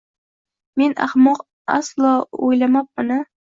Men axmoq aslo uylamabmana